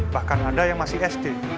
bahkan ada yang masih sd